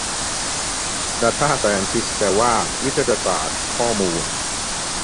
ดาต้าไซเอนทิสต์ แปลว่านักวิทยาศาสตร์ข้อมูล